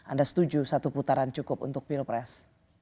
anda setuju satu putaran cukup untuk pilpres